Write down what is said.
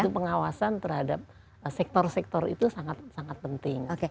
itu pengawasan terhadap sektor sektor itu sangat sangat penting